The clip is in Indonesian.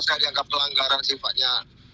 saya dianggap pelanggaran sifatnya